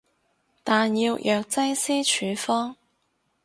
但要藥劑師處方